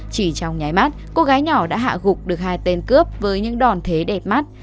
chỉ trong nhái mắt cô gái nhỏ đã hạ gục được hai tên cướp với những đòn thế đẹp mắt